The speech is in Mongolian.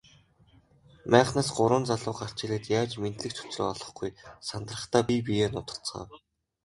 Майхнаас гурван залуу гарч ирээд яаж мэндлэх ч учраа олохгүй сандрахдаа бие биеэ нударцгаав.